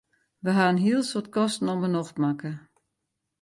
Wy hawwe in heel soad kosten om 'e nocht makke.